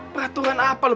peraturan apa lo